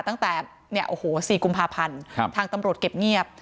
ตั้งแต่๔กุมภาพันธ์ทางตำรวจเก็บเงียบ